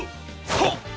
はっ！